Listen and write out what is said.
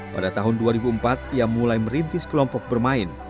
pada tahun dua ribu empat ia mulai merintis kelompok bermain